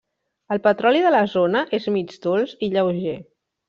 El petroli de la zona és mig dolç i lleuger.